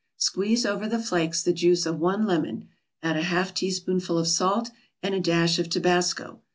Squeeze over the flakes the juice of one lemon, add a half teaspoonful of salt and a dash of Tabasco.